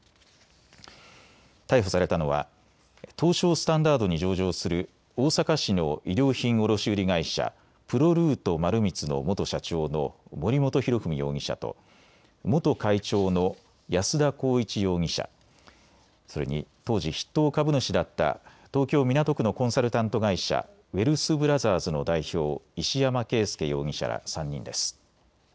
逮捕されたのは東証スタンダードに上場する大阪市の衣料品卸売り会社、プロルート丸光の元社長の森本裕文容疑者と元会長の安田康一容疑者、それに当時筆頭株主だった東京港区のコンサルタント会社、ウエルスブラザーズの代表、石山恵介容疑者ら３人です。